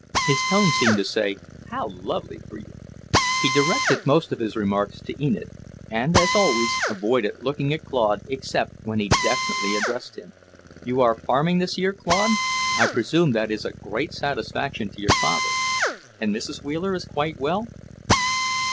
His tone seemed to say, "How lovely for you!" He directed most of his remarks to Enid and, as always, avoided looking at Claude except when he definitely addressed him. "You are farming this year, Claude? I presume that is a great satisfaction to your father. And Mrs. Wheeler is quite well?"